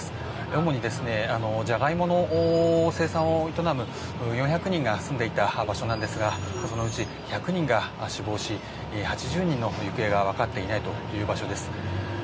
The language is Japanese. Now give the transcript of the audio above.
主に、ジャガイモの生産を営む４００人が住んでいた場所なんですがそのうち１００人が死亡し８０人の行方が分かっていないという場所です。